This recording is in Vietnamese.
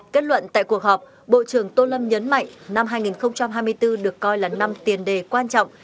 kết luận tại cuộc họp bộ trưởng tô lâm nhấn mạnh năm hai nghìn hai mươi bốn được coi là năm tiền đề quan trọng